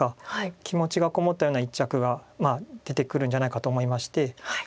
気持ちがこもったような一着が出てくるんじゃないかと思いまして。